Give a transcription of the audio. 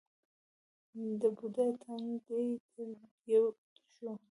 د بوډا تندی ترېو شو: